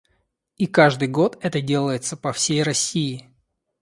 И каждый год это делается по всей России.